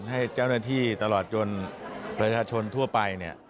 ให้เจ้าหน้าที่ตลอดจนประชาชนทั่วไปเนี่ย